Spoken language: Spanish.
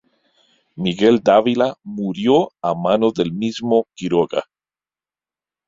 Miguel Dávila murió a manos del mismo Quiroga.